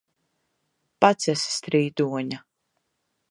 Pats esi strīdoņa!